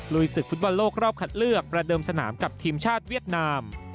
ศึกฟุตบอลโลกรอบคัดเลือกประเดิมสนามกับทีมชาติเวียดนาม